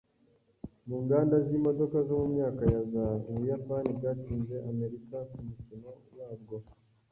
Mu nganda z’imodoka zo mu myaka ya za , Ubuyapani bwatsinze Amerika ku mukino wabwo